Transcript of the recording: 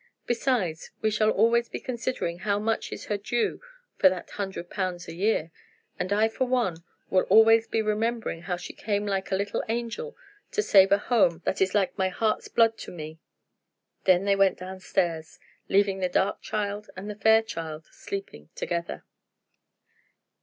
Besides, we shall always be considering how much is due her for that hundred pounds a year; and I, for one, will always be remembering how she came like a little angel to save a home that is like my heart's blood to me." Then they went down stairs, leaving the dark child and the fair child sleeping together.